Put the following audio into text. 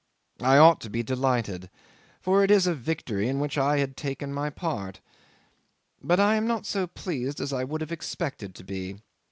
I ought to be delighted, for it is a victory in which I had taken my part; but I am not so pleased as I would have expected to be.